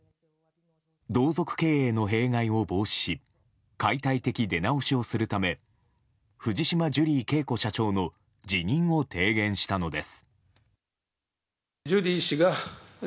同族経営の弊害を防止し解体的出直しをするため藤島ジュリー景子社長の辞任を提言したのです。